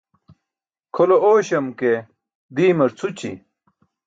khole oośam ke diimar cʰući.